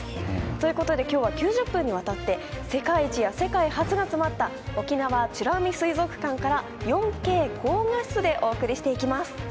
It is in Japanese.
ということで今日は９０分にわたって世界一や世界初が詰まった沖縄美ら海水族館から４Ｋ高画質でお送りしていきます。